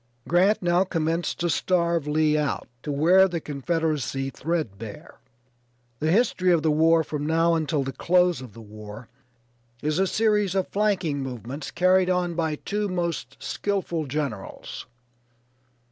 Grant now commenced to starve Lee out, to wear the Confederacy threadbare. The history of the war from now until the close of the war is a series of flanking movements carried on by two most skillful generals.